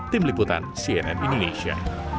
tim liputan cnn indonesia